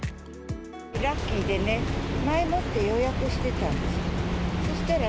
ラッキーでね、前もって予約してたの。